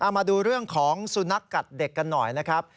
มาดูเรื่องของสุนัขกัดเด็กกันหน่อยนะครับ